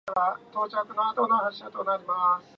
Its local government area is the Town of Victoria Park.